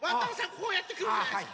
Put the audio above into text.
こうやってくるじゃないですか。